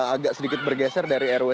agak sedikit bergeser dari rw